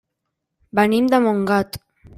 Venim de Montgat.